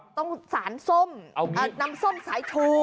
ต้องสารส้มน้ำส้มสายชู